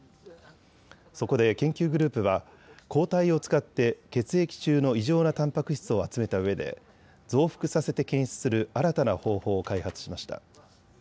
そこで研究グループは抗体を使って血液中の異常なたんぱく質を集めたうえで増幅させて検出する新たな方法を開発しました。